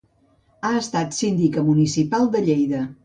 Ha estat síndica municipal de Lleida.